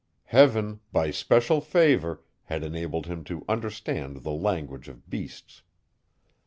Heaven, by special favour, had enabled him to understand the language of beasts.